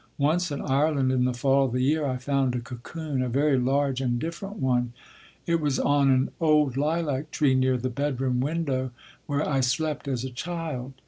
Once in Ireland in the fall of the year I found a cocoon, a very large and different one. It was on an old lilac tree near the bedroom window where I slept as a child.